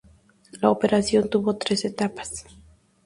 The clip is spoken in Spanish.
La operación tuvo tres etapas.